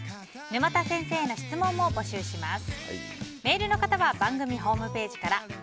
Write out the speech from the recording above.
沼田先生への質問も募集します。